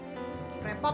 bawa aja ke kamar repot